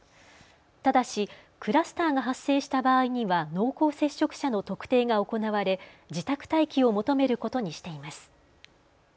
ただしクラスターが発生した場合には濃厚接触者の特定が行われ、自宅待機を求めることにしています。